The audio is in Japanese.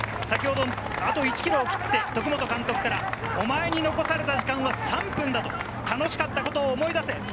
先ほど、あと１キロを切って、徳本監督から、お前に残された時間は３分だと、楽しかったことを思い出せ。